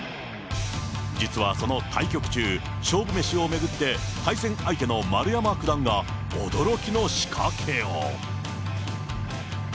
実はその対局中、勝負メシを巡って対戦相手の丸山九段が、驚きの仕掛けを。